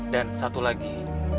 dan satu lagi